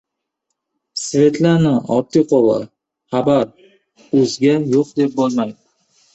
Svetlana Ortiqova: «Xabar.uz»ga yo‘q deb bo‘lmaydi...»